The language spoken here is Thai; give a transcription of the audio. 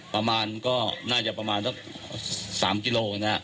ประมาณก็น่าจะประมาณสัก๓กิโลกรัมนะครับ